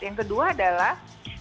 yang kedua adalah